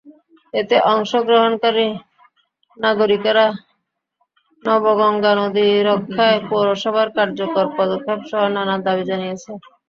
এতে অংশগ্রহণকারী নাগরিকেরা নবগঙ্গা নদী রক্ষায় পৌরসভার কার্যকর পদক্ষেপসহ নানা দাবি জানিয়েছেন।